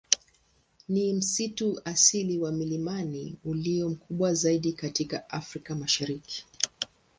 Ni msitu asili wa milimani ulio mkubwa zaidi katika Afrika Mashariki.